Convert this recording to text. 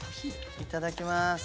いただきます。